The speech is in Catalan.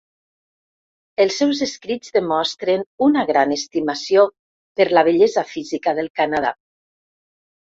Els seus escrits demostren una gran estimació per la bellesa física del Canadà.